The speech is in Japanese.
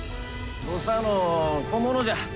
土佐の小物じゃ。